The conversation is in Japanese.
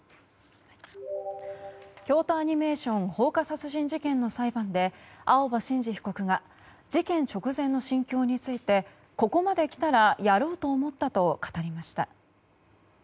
京都アニメーション放火殺人事件の裁判で青葉真司被告が事件直前の心境についてここまで来たらやろうと思ったと語りました。